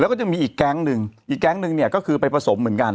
แล้วก็จะมีอีกแก๊งหนึ่งอีกแก๊งหนึ่งเนี่ยก็คือไปผสมเหมือนกัน